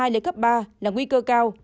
lên cấp ba là nguy cơ cao